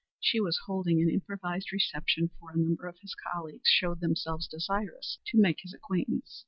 He was holding an improvised reception, for a number of his colleagues showed themselves desirous to make his acquaintance.